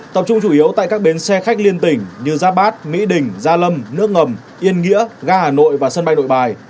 tập trung chủ yếu tại các bến xe khách liên tỉnh như giáp bát mỹ đình gia lâm nước ngầm yên nghĩa ga hà nội và sân bay nội bài